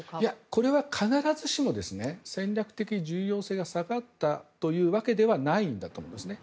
これは必ずしも戦略的重要性が下がったというわけではないんだと思いますね。